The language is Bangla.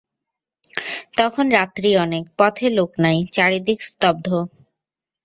তখন রাত্রি অনেক, পথে লোক নাই, চারিদিক স্তব্ধ।